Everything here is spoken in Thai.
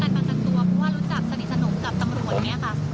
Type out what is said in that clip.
เพราะว่ารู้จักสนิทสนุกกับตำรวไงครับ